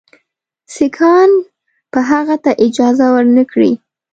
سیکهان به هغه ته اجازه ورنه کړي.